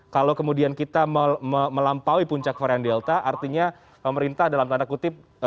kalau kemudian kita melampaui puncak varian delta artinya pemerintah dalam tanda kutip